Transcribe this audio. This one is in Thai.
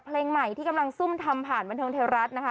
เพลงใหม่ที่กำลังซุ่มทำผ่านบันเทิงไทยรัฐนะคะ